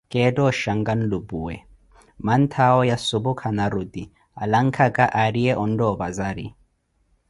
Keetta oshanka nlumpuwe, mantthaawo ya supu kana ruti, alankhaka aariye ontta opazari.